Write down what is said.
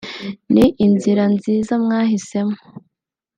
ni inzira nziza mwahisemo